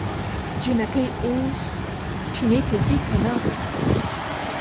جينکۍ اوس چينې ته ځي که نه؟